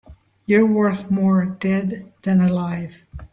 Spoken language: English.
You're worth more dead than alive.